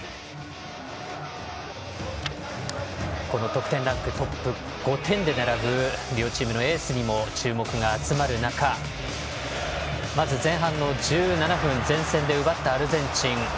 この得点ランクトップ５点で並ぶ両チームのエースにも注目が集まる中まず前半１７分前線で奪ったアルゼンチン。